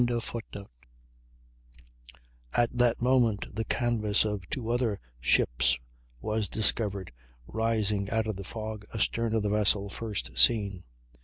] At that moment the canvas of two other ships was discovered rising out of the fog astern of the vessel first seen.